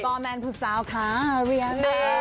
ก็แมนผู้สาวขาเรียน